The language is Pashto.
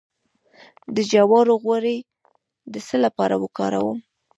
د جوارو غوړي د څه لپاره وکاروم؟